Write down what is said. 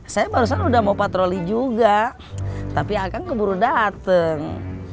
saya barusan udah mau patroli juga tapi akan keburu datang